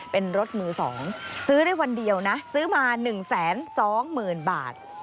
เป็นรถมือสองซื้อได้วันเดียวนะซื้อมาหนึ่งแสนสองหมื่นบาท